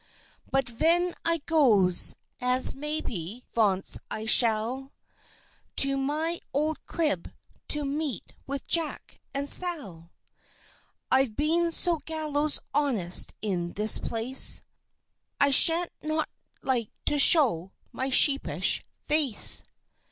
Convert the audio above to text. "But ven I goes, as maybe vonce I shall, To my old Crib to meet with Jack, and Sal, I've been so gallows honest in this Place, I shan't not like to show my sheepish Face.